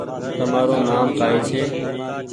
تمآرو نآم ڪآئي ڇي ۔